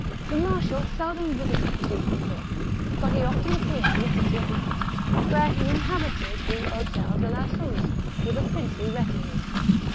The marshal seldom visited the ducal court, but he often appeared in the city of Nantes, where he inhabited the Hotel de la Suze, with a princely retinue.